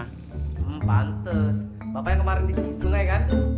hmm pantas bapak yang kemarin di sungai kan